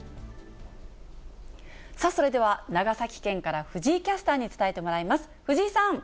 さあ、それでは長崎県から藤井キャスターに伝えてもらいます。